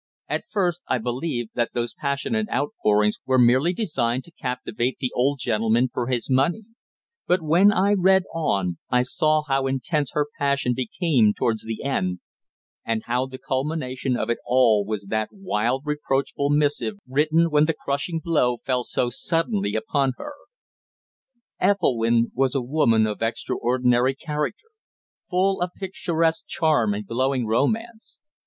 At first I believed that those passionate outpourings were merely designed to captivate the old gentleman for his money; but when I read on I saw how intense her passion became towards the end, and how the culmination of it all was that wild reproachful missive written when the crushing blow fell so suddenly upon her. Ethelwynn was a woman of extraordinary character, full of picturesque charm and glowing romance.